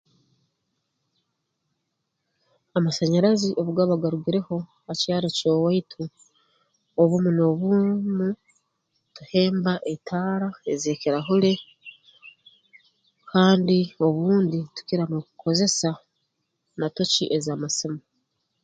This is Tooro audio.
Amasanyarazi obu gaba garugireho ha kyaro ky'owaitu obumu n'obumu tuhemba etaara ez'ekirahule kandi obundi tukira n'okukozesa na toci ez'amasimu